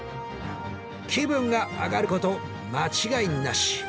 気分がアガること間違いなし。